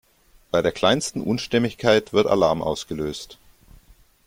Bei der kleinsten Unstimmigkeit wird Alarm ausgelöst.